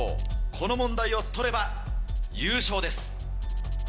この問題を取れば優勝です。